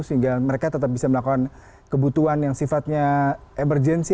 sehingga mereka tetap bisa melakukan kebutuhan yang sifatnya emergency